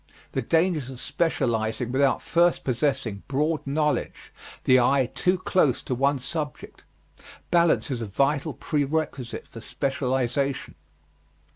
The dangers of specializing without first possessing broad knowledge. The eye too close to one object. Balance is a vital prerequisite for specialization.